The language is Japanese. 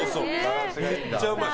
めっちゃうまい。